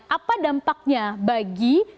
apa dampaknya bagi pelaku keuangan